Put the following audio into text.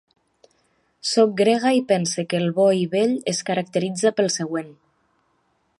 Soc grega i pense que el bo i bell es caracteritza pel següent: